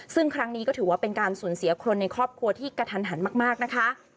ซึ่งครั้งนี้ก็ถือว่าเป็นการสูญเสียคนในครอบครัวที่กระทันหันมากนะคะ